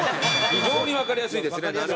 非常にわかりやすいですね。